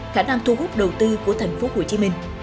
khả năng thu hút đầu tư của thành phố hồ chí minh